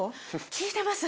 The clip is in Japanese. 効いてます！